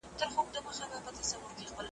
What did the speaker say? يو دبل په غېږ اغوستي ,